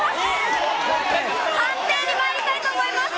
判定にまいりたいと思います。